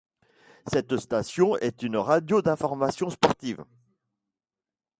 Cette station est une radio d'informations sportives.